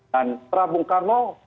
dan terhambung karmo